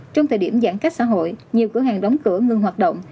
trong thời điểm giãn cách xã hội nhiều cửa hàng đóng cửa ngừng hoạt động